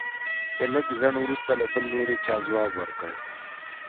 د لږ ځنډ وروسته له بل لوري چا ځواب ورکړ.